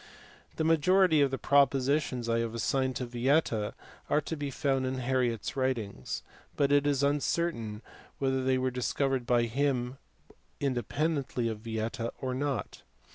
The majority of the propositions I have assigned to Vieta are to be found in Harriot s writings, but it is uncertain whether they were discovered by him independently of Vieta or not.